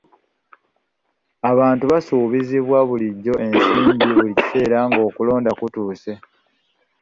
Abantu basuubizibwa bulijjo ensimbi buli kiseera ng'okulonda kutuuse.